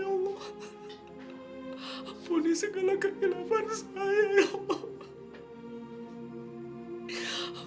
ampuni segala kehilapan saya ya allah